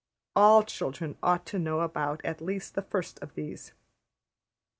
All children ought to know about at least the first of these.